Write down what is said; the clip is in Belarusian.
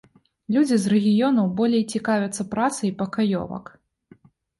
Людзі з рэгіёнаў болей цікавяцца працай пакаёвак.